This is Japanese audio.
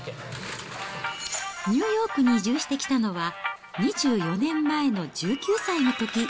ニューヨークに移住してきたのは、２４年前の１９歳のとき。